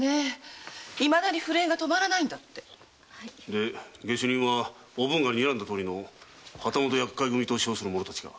で下手人はおぶんが睨んだとおりの旗本厄介組と称する者たちか？